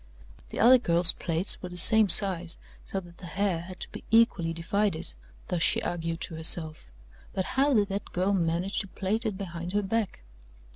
The other girl's plaits were the same size, so that the hair had to be equally divided thus she argued to herself but how did that girl manage to plait it behind her back?